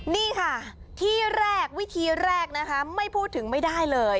นี่ค่ะที่แรกวิธีแรกนะคะไม่พูดถึงไม่ได้เลย